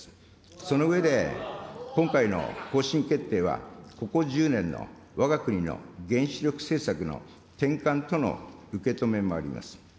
その上で今回の方針決定は、ここ１０年のわが国の原子力政策の転換との受け止めもあります。